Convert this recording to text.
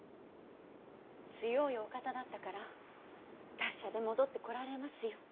強いお方だったから達者で戻ってこられますよ。